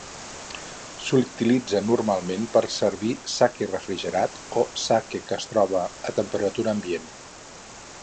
S’utilitza normalment per servir sake refrigerat o sake que es troba a temperatura ambient.